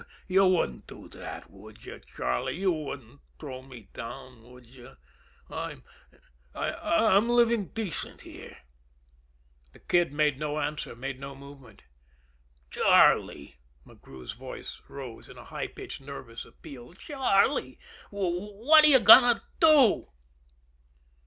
You wouldn't do that, would you Charlie? You wouldn't throw me down would you? I'm I'm living decent here." The Kid made no answer made no movement. "Charlie!" McGrew's voice rose in a high pitched, nervous appeal. "Charlie what are you going to do?"